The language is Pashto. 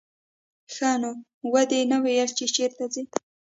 ښه نو ودې نه ویل چې چېرته ځې.